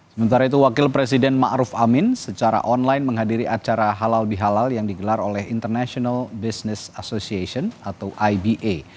sementara itu wakil presiden ⁇ maruf ⁇ amin secara online menghadiri acara halal bihalal yang digelar oleh international business association atau iba